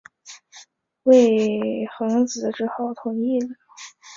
魏桓子只好同意了。